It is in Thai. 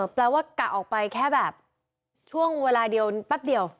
แปลว่ากะออกไปแค่แบบช่วงเวลาเดียวแป๊บเดียว